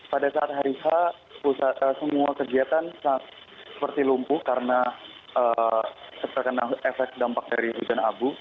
pada saat hari h semua kegiatan seperti lumpuh karena terkena efek dampak dari hujan abu